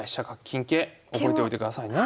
覚えといてくださいね。